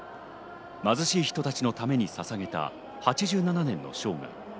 貧しい人たちのためにささげた８７年の生涯。